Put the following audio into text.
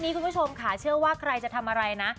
คุณผู้ชมค่ะเชื่อว่าใครจะทำอะไรนะ